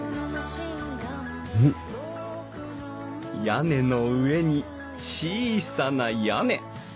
屋根の上に小さな屋根。